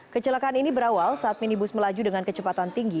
kecelakaan ini berawal saat minibus melaju dengan kecepatan tinggi